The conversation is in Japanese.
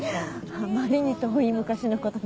あまりに遠い昔のことで。